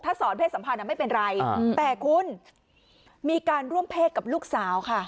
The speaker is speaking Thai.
สอนเพศสัมพันธ์ไม่เป็นไรแต่คุณมีการร่วมเพศกับลูกสาวค่ะ